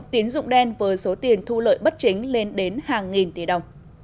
tiền thu lợi bất chính lên đến hàng nghìn tỷ đồng